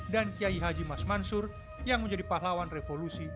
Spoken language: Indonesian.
kiai haji mas mansur yang menjadi pahlawan revolusi